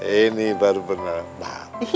ini baru pernah paham